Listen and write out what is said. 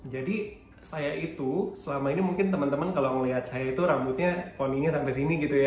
jadi saya itu selama ini mungkin teman teman kalau melihat saya itu rambutnya poninya sampai sini gitu ya